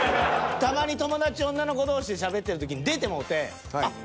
たまに友達女の子同士でしゃべってる時に出てもうてあっ！